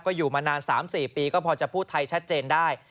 ก็อยู่มานาน๓๔ปีก็พอจะพูดไทยชัดเจนได้